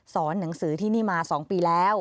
หนังสือที่นี่มา๒ปีแล้ว